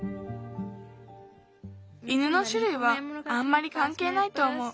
犬のしゅるいはあんまりかんけいないとおもう。